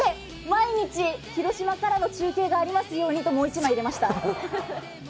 毎日広島からの中継がありますようにともう一枚入れました。